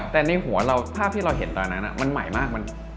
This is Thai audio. แต่ในหัวเราภาพที่เราเห็นตอนนั้นมันใหม่มาก